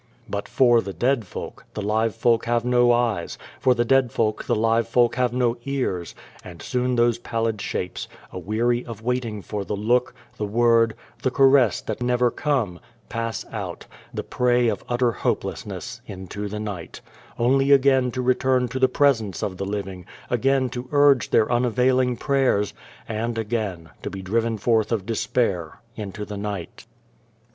But for the dead folk, the live folk have no eyes, for the dead folk the live folk have no ears, and soon those pallid shapes, aweary of 29 The Dream of the Dead Folk waiting for the look, the word, the caress that never come, pass out, the prey of utter hope lessness, into the night only again to return to the presence of the living, again to urge their unavailing prayers, and again to be driven forth of despair into the night.